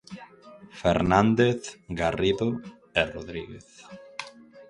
Fernández, Garrido e Rodríguez.